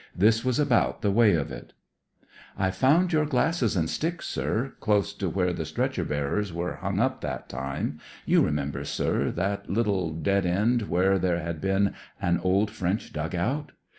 This was about the way of it :" I found your glasses and stick, sir, dose to where the stretcher bearers were hung up that time; you remember, sir, that little dead end where there had been an old French dug out.